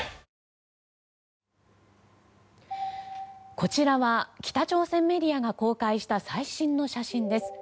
こちらは北朝鮮メディアが公開した最新の写真です。